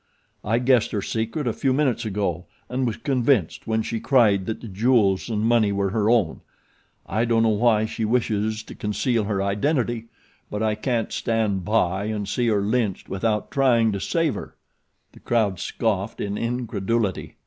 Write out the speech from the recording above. I guessed her secret a few minutes ago and was convinced when she cried that the jewels and money were her own. I don't know why she wishes to conceal her identity; but I can't stand by and see her lynched without trying to save her." The crowd scoffed in incredulity.